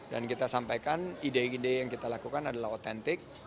dan kita sampaikan ide ide yang kita lakukan adalah otentik